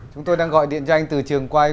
chúng tôi đang gọi điện cho anh từ trường quay